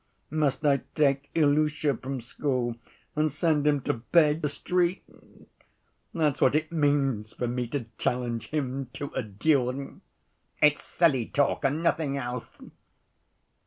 Must I take Ilusha from school and send him to beg in the streets? That's what it means for me to challenge him to a duel. It's silly talk and nothing else."